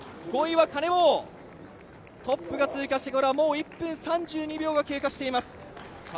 ５位はカネボウ、トップが通過してから１分３２秒が経過しています。